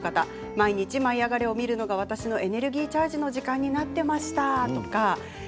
毎日「舞いあがれ！」を見るのが私のエネルギーチャージの時間になっていましたとか。